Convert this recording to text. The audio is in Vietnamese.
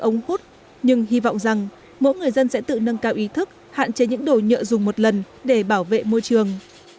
nhưng hy vọng rằng mỗi người dân sẽ tự nâng cao ý thức hạn chế những đồ nhựa dùng một lần để bảo vệ môi trường